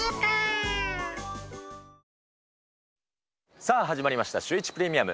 さあ始まりました、シューイチプレミアム。